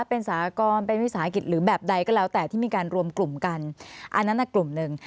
เป็นสากรเป็นวิสาหกิจหรือแบบใดก็แล้วแต่ที่มีการรวมกลุ่มกันอันนั้นน่ะกลุ่มหนึ่ง